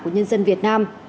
của nhân dân việt nam